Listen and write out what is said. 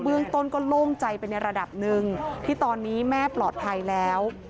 เรื่องต้นก็โล่งใจไปในระดับหนึ่งที่ตอนนี้แม่ปลอดภัยแล้ว